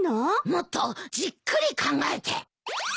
もっとじっくり考えて。